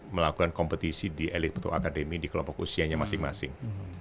melakukan kompetisi di elit atau akademi di kelompok usianya masing masing